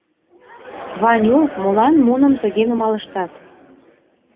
— Ваню, молан муным тыге нумалыштат?